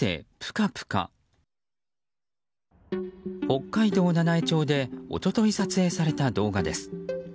北海道七飯町で一昨日、撮影された動画です。